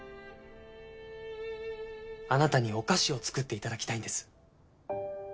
あなたにお菓子を作って頂きたいんです。